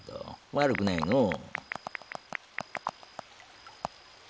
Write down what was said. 悪くないのう。